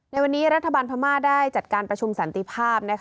ในวันนี้รัฐบาลพม่าได้จัดการประชุมสันติภาพ